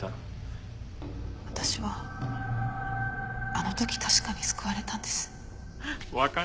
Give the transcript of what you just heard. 私はあの時確かに救われたんです。